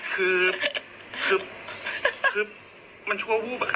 คือคือมันชั่วผู้ป่ะคะ